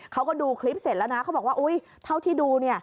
เขาก็ดูคลิปเสร็จแล้วนะเขาบอกว่าอุ๊ยเท่าที่ดู